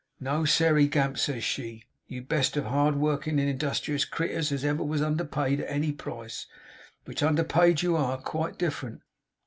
"No, Sairey Gamp," says she, "you best of hard working and industrious creeturs as ever was underpaid at any price, which underpaid you are, quite diff'rent.